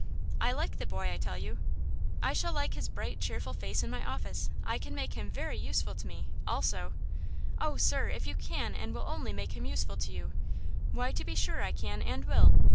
I like the boy, I tell you! I shall like his bright, cheerful face in my office! I can make him very useful to me; also–" "Oh. sir, if you can and will only make him useful to you–" "Why, to be sure I can and will!